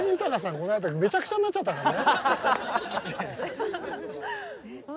この間めちゃくちゃになっちゃったからね。